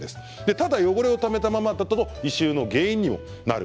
ただ汚れをためたままだと異臭の原因にもなる。